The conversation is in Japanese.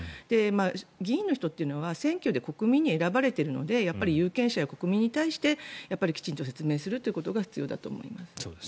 議員の人というのは選挙で国民に選ばれているので有権者、国民に対して説明することが必要だと思います。